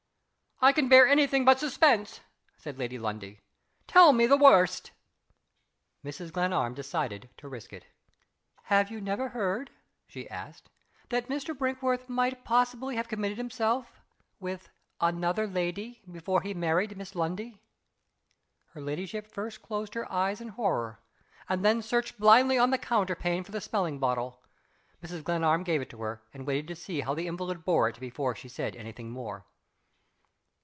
"I can bear any thing but suspense," said Lady Lundie. "Tell me the worst." Mrs. Glenarm decided to risk it. "Have you never heard," she asked, "that Mr. Brinkworth might possibly have committed himself with another lady before he married Miss Lundie?" Her ladyship first closed her eyes in horror and then searched blindly on the counterpane for the smelling bottle. Mrs. Glenarm gave it to her, and waited to see how the invalid bore it before she said any more.